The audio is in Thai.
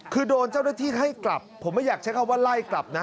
คือโดนเจ้าหน้าที่ให้กลับผมไม่อยากใช้คำว่าไล่กลับนะ